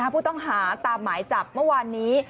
ผู้ต้องหาตามหมายจับเมื่อวานนี้